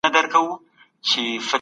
تاریخي پریکړي څه ډول سوي دي؟